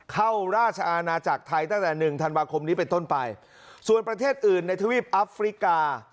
เข้าราชอาณาจักรไทยตั้งแต่หนึ่งธันวาคมนี้เป็นต้นไปส่วนประเทศอื่นในทวีปอัฟริกา